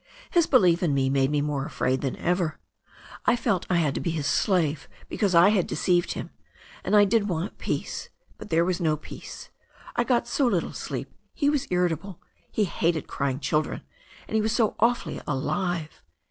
His belief in me made me more afraid than ever. I felt I had to be his slave because I had deceived him — ^and I did want peace. But there was no peace. I got so little sleep, he was irrita ble, he hated crying children — ^and he was so awfully alive.